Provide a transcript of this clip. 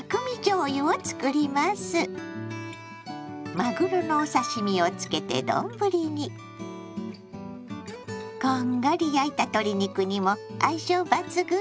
まぐろのお刺身をつけて丼にこんがり焼いた鶏肉にも相性抜群よ。